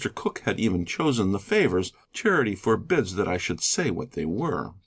Cooke had even chosen the favors; charity forbids that I should say what they were.